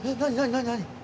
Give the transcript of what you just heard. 何何？